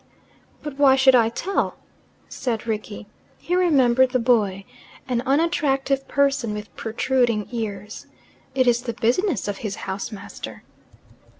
"But why should I tell?" said Rickie. He remembered the boy, an unattractive person with protruding ears, "It is the business of his house master."